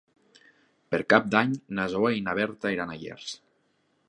Per Cap d'Any na Zoè i na Berta iran a Llers.